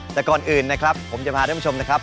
แต่ก่อนอื่นนะครับผมจะพาท่านผู้ชมนะครับ